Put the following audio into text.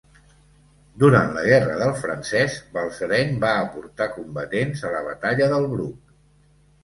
Durant la Guerra del Francès, Balsareny va aportar combatents a la Batalla del Bruc.